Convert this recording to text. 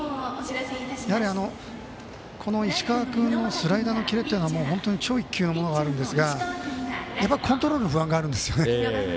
この石川君のスライダーのキレというのは超一級のものがあるんですがやっぱりコントロールの不安があるんですよね。